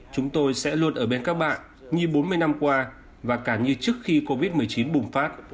chúng tôi sẽ luôn ở bên các bạn như bốn mươi năm qua và cả như trước khi covid một mươi chín bùng phát